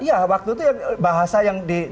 iya waktu itu bahasa yang di